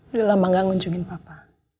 udah lama gak ngunjungin papa